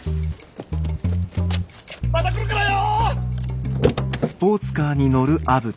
また来るからよ！